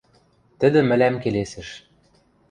Тӹдӹ мӹлӓм келесӹш: